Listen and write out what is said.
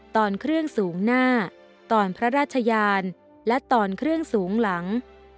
ตอนเครื่องสูงหน้าตอนพระราชยานและตอนเครื่องสูงหลัง